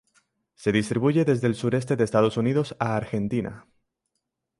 Se distribuye desde el sureste de Estados Unidos a Argentina.